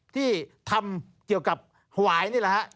ที่ทำเกี่ยวกับหวายนี่หรอครับ